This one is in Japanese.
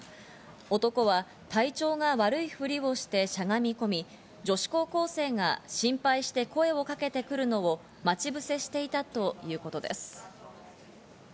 男は体調が悪いふりをしてしゃがみ込み、女子高校生が心配して声をかけてくるのを待ち伏せしていたということです。